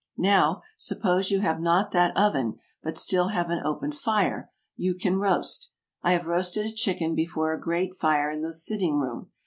Now, suppose you have not that oven, but still have an open fire, you can roast. I have roasted a chicken before a grate fire in the sitting room.